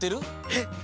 えっ？